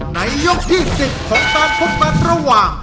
ในยกที่๑๐ของการพบกันระหว่าง